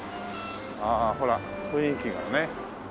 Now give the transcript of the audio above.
あほら雰囲気がね。